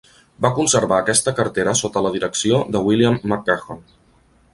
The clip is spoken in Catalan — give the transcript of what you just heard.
Va conservar aquesta cartera sota la direcció de William McMahon.